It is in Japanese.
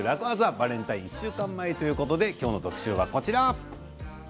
バレンタイン１週間前ということで今日の特集はこちら。